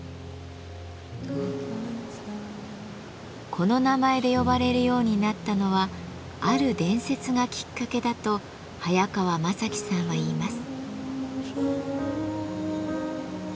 この名前で呼ばれるようになったのはある伝説がきっかけだと早川正樹さんは言います。